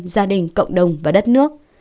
gia đình cộng đồng và đất nước